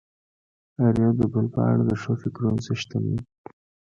هر يو د بل په اړه د ښو فکرونو څښتن وي.